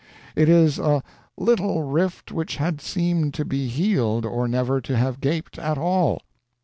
It is a "little rift which had seemed to be healed, or never to have gaped at all."